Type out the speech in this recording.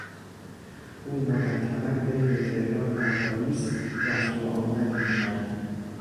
او مرتبا بین تهران و پاریس رفت و آمد میکرد.